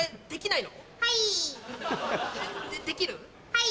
はい。